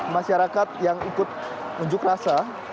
masyarakat yang ikut unjuk rasa